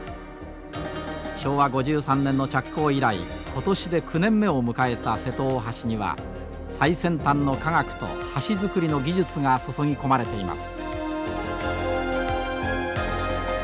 昭和５３年の着工以来今年で９年目を迎えた瀬戸大橋には最先端の科学と橋造りの技術が注ぎ込まれています。